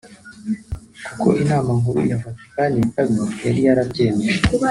kuko inama nkuru ya Vatikani ya kabiri yari yarabyemeje